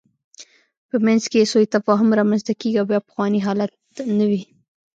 په منځ کې یې سوء تفاهم رامنځته کېږي او بیا پخوانی حالت نه وي.